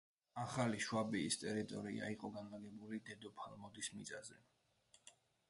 ახალი შვაბიის ტერიტორია იყო განლაგებული დედოფალ მოდის მიწაზე.